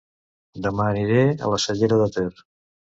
Dema aniré a La Cellera de Ter